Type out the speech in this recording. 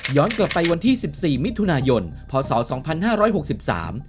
กลับไปวันที่สิบสี่มิถุนายนพศสองพันห้าร้อยหกสิบสาม